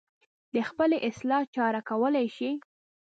د خپلې اصلاح چاره کولی شي.